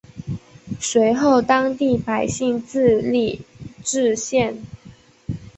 随后当地百姓自立冶县。